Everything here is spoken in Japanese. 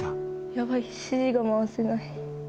やばい、指示が回せない。